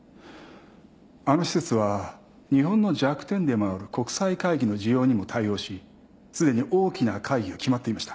あの施設は日本の弱点でもある国際会議の需要にも対応しすでに大きな会議が決まっていました。